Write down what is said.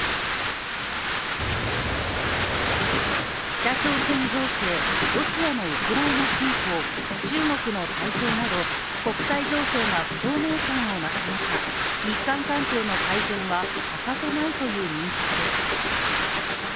北朝鮮情勢、ロシアのウクライナ侵攻、中国の台頭など、国際情勢が不透明感を増す中、日韓関係の改善は欠かせないという認識です。